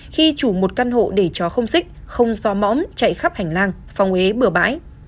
khi chủ một căn hộ để chó không xích không xóa mõm chạy khắp hành lang phong ế bửa bãi